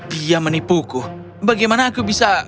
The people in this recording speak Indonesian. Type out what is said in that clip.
dia menipuku bagaimana aku bisa